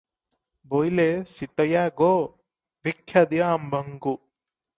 ବୋଇଲେ ସୀତୟା ଗୋ ଭିକ୍ଷା ଦିଅ ଆମ୍ଭଙ୍କୁ